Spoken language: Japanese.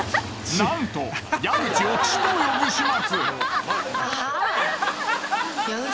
なんと矢口を「知」と呼ぶ始末。